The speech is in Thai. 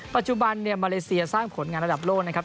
ปัจจุบันเนี่ยมาเลเซียสร้างผลงานระดับโลกนะครับ